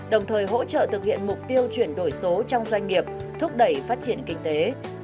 đồng thời hỗ trợ thực hiện mục tiêu chuyển đổi số trong doanh nghiệp thúc đẩy phát triển kinh tế